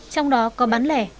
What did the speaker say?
trong đó có bán lẻ